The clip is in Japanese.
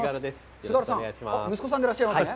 菅原さん、息子さんでいらっしゃいますね？